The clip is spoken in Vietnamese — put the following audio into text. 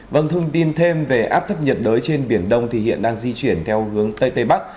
vâng thông tin thêm về áp thấp nhiệt đới trên biển đông thì hiện đang di chuyển theo hướng tây tây bắc